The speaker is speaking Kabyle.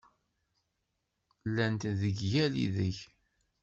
Llant deg yal ideg!